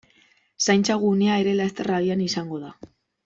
Zaintza gunea ere laster abian izango da.